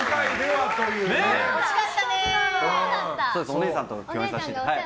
お姉さんと共演させていただいて。